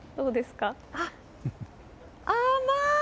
甘い！